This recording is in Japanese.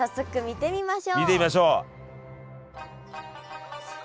見てみましょう。